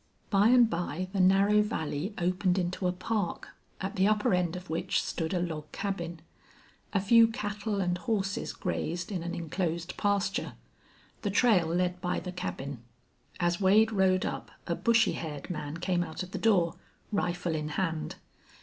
By and by the narrow valley opened into a park, at the upper end of which stood a log cabin. A few cattle and horses grazed in an inclosed pasture. The trail led by the cabin. As Wade rode up a bushy haired man came out of the door, rifle in hand.